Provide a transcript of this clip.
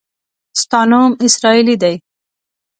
ستا نوم اسراییلي دی.